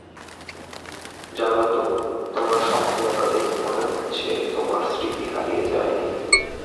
জানো তো, তোমার সক্ষমতা দেখে মনে হচ্ছে তোমার স্মৃতি হারিয়ে যায় নি।